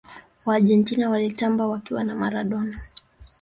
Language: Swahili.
waargentina walitamba wakiwa na maradona